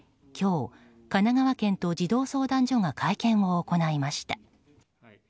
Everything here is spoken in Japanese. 今日、神奈川県と児童相談所が会見を行いました。